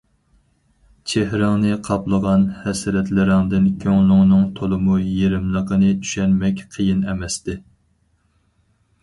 چېھرىڭنى قاپلىغان ھەسرەتلىرىڭدىن كۆڭلۈڭنىڭ تولىمۇ يېرىملىقىنى چۈشەنمەك قىيىن ئەمەستى.